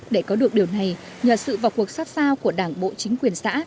để có được điều này nhờ sự vào cuộc sát sao của đảng bộ chính quyền xã